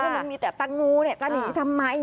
ถ้ามันมีแต่แตงโมเนี่ยการหนีทำไม